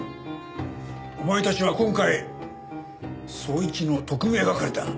お前たちは今回捜一の特命係だ。